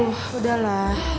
aduh udah lah